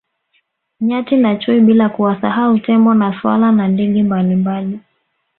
Nyati na chui bila kuwasahau tembo na swala na ndege mbalimbali